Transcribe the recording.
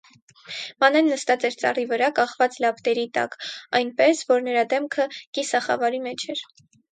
Մանեն նստած էր ծառի վրա կախված լապտերի տակ, այնպես որ նրա դեմքը կիսախավարի մեջ էր: